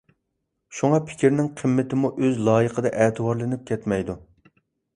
شۇڭا، پىكىرنىڭ قىممىتىمۇ ئۆز لايىقىدا ئەتىۋارلىنىپ كەتمەيدۇ.